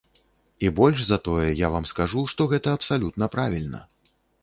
І больш за тое, я вам скажу, што гэта абсалютна правільна.